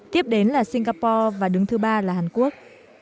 tiếp đến là singapore và đứng thứ ba là hàn quốc